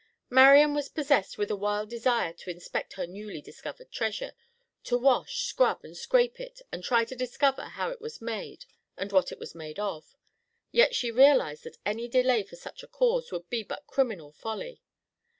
Marian was possessed with a wild desire to inspect her newly discovered treasure—to wash, scrub and scrape it and try to discover how it was made and what it was made of. Yet she realized that any delay for such a cause would be all but criminal folly.